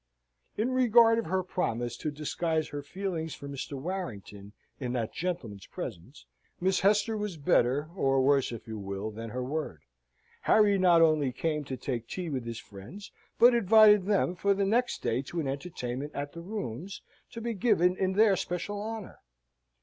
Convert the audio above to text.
In regard of her promise to disguise her feelings for Mr. Warrington in that gentleman's presence, Miss Hester was better, or worse if you will, than her word. Harry not only came to take tea with his friends, but invited them for the next day to an entertainment at the Rooms, to be given in their special honour.